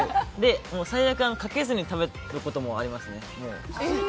最悪、かけずに食べることもありますね。